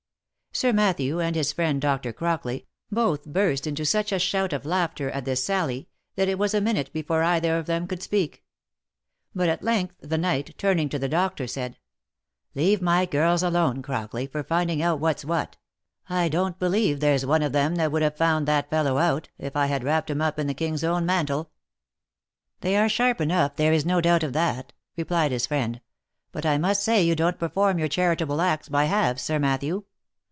Sir Matthew, and his friend Doctor Crockley, both burst into such a shout of laughter at this sally, that it was a minute before either of them could speak ; but at length the knight, turning to the doctor, said, " Leave my girls alone, Crockley, for finding out what's what ; I don't believe there's one of them but what would have found that fellow out, if I had wrapped him up in the king's own mantle." " They are sharp enough, there is no doubt of that," replied his friend, " but I must say you don't perform your charitable acts by halves, Sir Matthew.